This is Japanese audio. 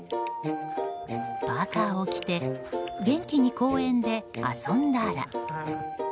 パーカを着て元気に公園で遊んだら。